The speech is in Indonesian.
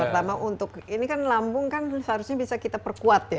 pertama untuk ini kan lambung kan seharusnya bisa kita perkuat ya